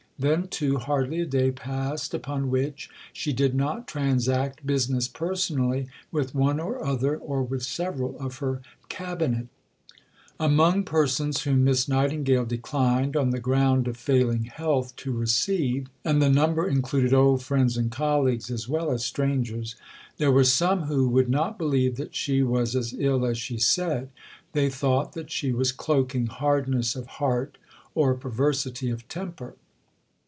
Then, too, hardly a day passed upon which she did not transact business personally with one or other, or with several, of her "Cabinet." George Eliot's Life as related in her Letters, vol. ii. p. 84. Among persons whom Miss Nightingale declined, on the ground of failing health, to receive (and the number included old friends and colleagues as well as strangers), there were some who would not believe that she was as ill as she said; they thought that she was cloaking hardness of heart or perversity of temper.